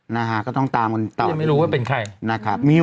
ไม่รู้ว่าเป็นใคร